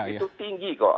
itu tinggi kok